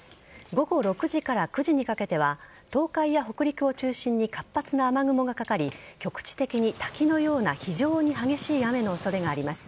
午後６時から９時にかけては東海北陸を中心に活発な雨雲がかかり局地的に滝のような非常に激しい雨の恐れがあります。